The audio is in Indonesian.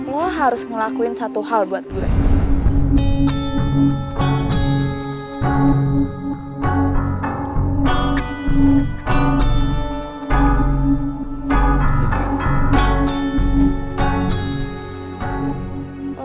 lo harus ngelakuin satu hal buat gue